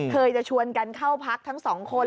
จะชวนกันเข้าพักทั้งสองคน